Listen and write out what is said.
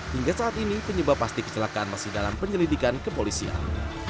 hingga saat ini penyebab pasti kecelakaan masih dalam penyelidikan kepolisian